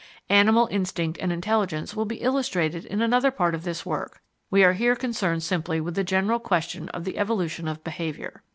Animal instinct and intelligence will be illustrated in another part of this work. We are here concerned simply with the general question of the evolution of behaviour.